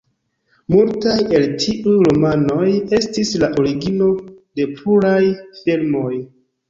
Multaj el tiuj romanoj estis la origino de pluraj filmoj.